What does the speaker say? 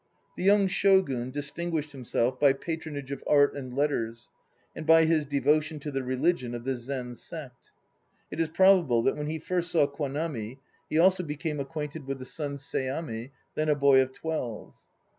The young Shogun distinguished himself by patronage of art and letters; and by his devotion to the religion of the Zen Sect. 2 It is probable that when he first saw Kwanami he also became ac quainted with the son Seami, then a boy of twelve.